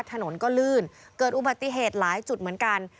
ถนนก็ลื่นเกิดอุบัติเหตุหลายจุดเหมือนกัน